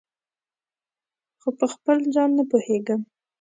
خو پخپل ځان نه پوهیږم